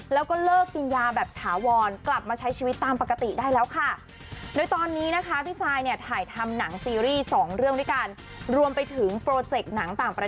แล้วก็เลิกกินยาแบบถาวรกลับมาใช้ชีวิตตามปกติได้แล้วค่ะ